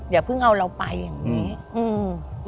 อย่าเพิ่งเอาเราไปอย่างงี้อืม